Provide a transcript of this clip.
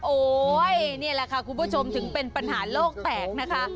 โอ๊ยนี่แหละค่ะคุณผู้ชมถึงเป็นปัญหาโลกแตกนะคะ